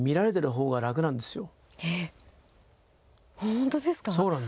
本当ですか？